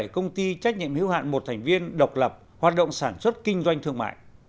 ba trăm ba mươi bảy công ty trách nhiệm hữu hạn một thành viên độc lập hoạt động sản xuất kinh doanh thương mại